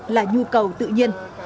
là nhu cầu tự nhiên